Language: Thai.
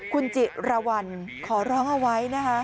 คุณจิรวรรณขอร้องเอาไว้นะคะ